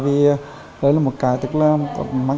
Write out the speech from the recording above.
vì đấy là một cái